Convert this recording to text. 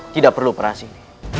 tidak perlu berhasil